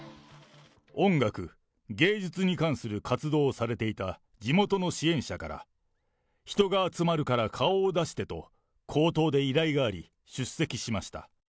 音楽、芸術に関する活動をされていた地元の支援者から、人が集まるから顔を出してと、口頭で依頼があり、出席しました。